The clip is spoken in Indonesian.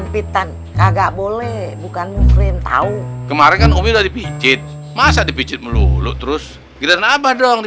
paku paku dicabutin dong